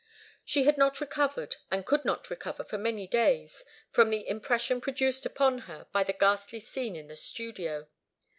She had not recovered, and could not recover for many days, from the impression produced upon her by the ghastly scene in the studio.